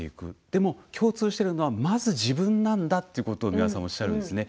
でも共通しているのはまず自分なんだということを美輪さんがおっしゃるんですね。